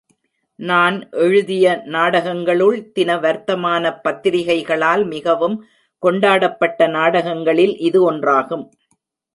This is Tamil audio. நான் எழுதிய நாடகங்களுள், தின வர்த்தமானப் பத்திரிகைகளால் மிகவும் கொண்டாடப்பட்ட நாடகங்களில் இது ஒன்றாகும்.